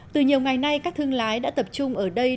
từ nhiều ngày nay các thương lái đã tập trung ở đây